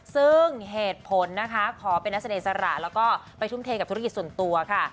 ซึ่งเหตุผลนะคะขอเป็นนักแสดงอิสระแล้วก็ไปทุ่มเทกับธุรกิจส่วนตัวค่ะ